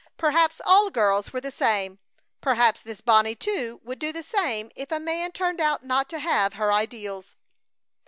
Perhaps all girls were the same. Perhaps this Bonnie, too, would do the same if a man turned out not to have her ideals.